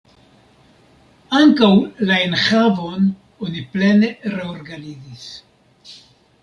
Ankaŭ la enhavon oni plene reorganizis.